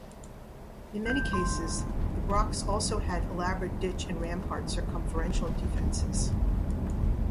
In many cases the brochs also had elaborate ditch and rampart circumferential defences.